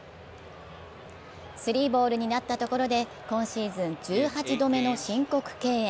スリーボールになったところで今シーズン１８度目の申告敬遠。